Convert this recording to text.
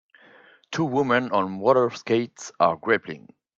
Two women on rollerskates are grappling.